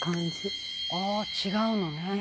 「あ違うのね」